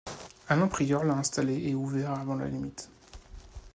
Alain Prieur l'a installé et ouvert avant la limite.